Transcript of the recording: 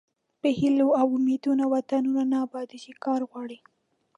په هیلو او امیدونو وطنونه نه ابادیږي کار غواړي.